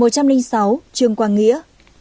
một trăm linh sáu trương quang nghĩa